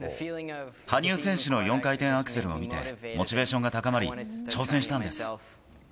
羽生選手の４回転アクセルを見て、モチベーションが高まり、挑戦したんです。